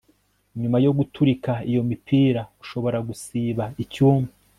nyuma yo guturika iyo mipira, ushobora gusiba icyumba